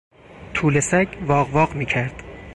توله سگ واق واق میکرد.